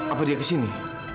apa dia kesini